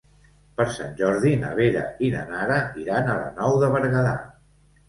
Per Sant Jordi na Vera i na Nara iran a la Nou de Berguedà.